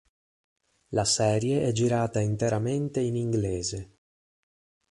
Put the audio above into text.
La serie è girata interamente in inglese.